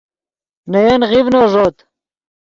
نے ین غیڤنو ݱوت